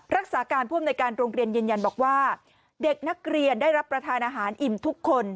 รักษาการผู้อำนวยการโรงเรียนยืนยันบอกว่าเด็กนักเรียนได้รับประทานอาหารอิ่มทุกคน